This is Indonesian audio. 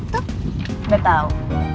tuh udah tau